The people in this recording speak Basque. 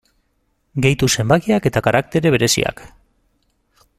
Gehitu zenbakiak eta karaktere bereziak.